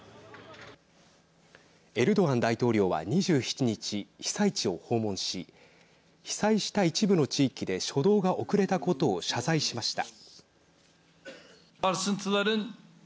エルドアン大統領は、２７日被災地を訪問し被災した一部の地域で初動が遅れたことを謝罪しました。